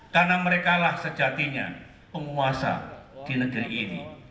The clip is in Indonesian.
karena merekalah sejatinya penguasa di negeri ini